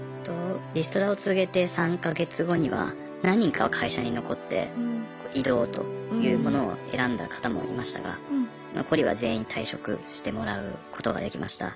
リストラを告げて３か月後には何人かは会社に残って異動というものを選んだ方もいましたが残りは全員退職してもらうことができました。